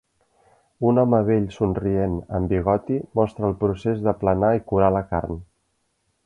Un home vell somrient amb bigoti mostra el procés d'aplanar i curar la carn